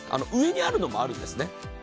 上にあるのもあるんですね。